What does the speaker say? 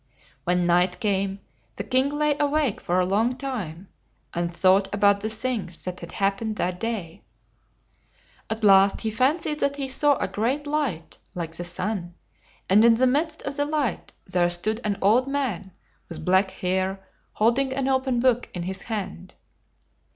When night came, the king lay awake for a long time, and thought about the things that had happened that day. At last he fancied that he saw a great light like the sun; and in the midst of the light there stood an old man with black hair, holding an open book in his hand.